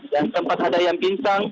dan tempat ada yang pinsang